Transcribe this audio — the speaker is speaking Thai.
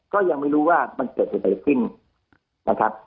ก็ยังไม่รู้ว่ามันเกิดอะไรขึ้นนะครับ